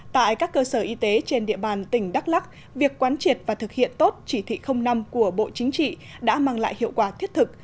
tại các cơ sở y tế trên địa bàn tỉnh đắk lắc việc quán triệt và thực hiện tốt chỉ thị năm của bộ chính trị đã mang lại hiệu quả thiết thực